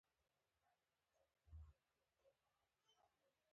پښتانه سوله او امن غوښتونکي خلک دي.